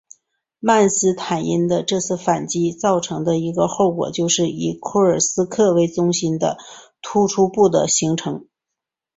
曼施坦因的这次反击造成的一个后果就是以库尔斯克为中心的突出部的形成。